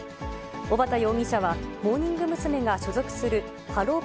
小幡容疑者は、モーニング娘。が所属するハロー！